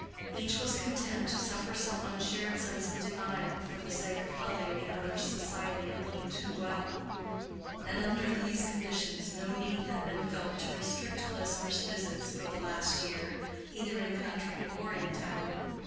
Each was content to suffer some unshared sense of denial for the sake of loving the other's society a little too well; and under these conditions no need had been felt to restrict Klesmer's visits for the last year either in country or in town.